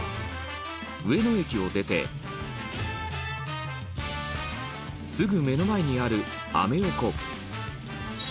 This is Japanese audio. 上野駅を出てすぐ目の前にある、アメ横